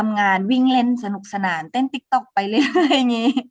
กิ้งเล่นสนุกสนานเต้นติ๊กต๊อกไปเริ่มอะไรอย่างนี้